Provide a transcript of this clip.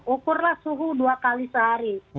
ukurlah suhu dua kali sehari